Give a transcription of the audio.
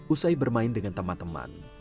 usai bermain dengan teman teman